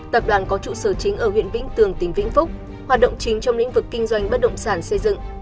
tập đoàn có trụ sở chính ở huyện vĩnh tường tỉnh vĩnh phúc hoạt động chính trong lĩnh vực kinh doanh bất động sản xây dựng